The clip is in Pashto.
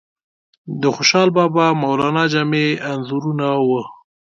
د خوشحال بابا، مولانا جامی انځورونه وو.